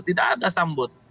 tidak ada sambut